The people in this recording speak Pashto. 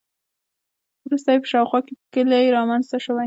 وروسته یې په شاوخوا کې کلي رامنځته شوي.